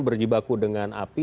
berjibaku dengan api